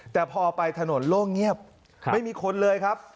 แต่พอไปถนนโล่งเงียบไม่มีคนเลยครับ